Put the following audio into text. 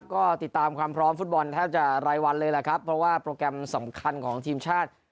ก็ติดตามความพร้อมฟุตบอลแทบจะรายวันเลยแหละครับเพราะว่าโปรแกรมสำคัญของทีมชาติ